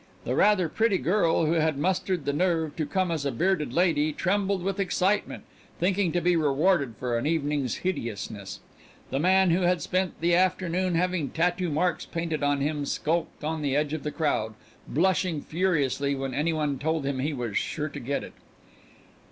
The rather pretty girl who had mustered the nerve to come as a bearded lady trembled with excitement, thinking to be rewarded for an evening's hideousness. The man who had spent the afternoon having tattoo marks painted on him skulked on the edge of the crowd, blushing furiously when any one told him he was sure to get it.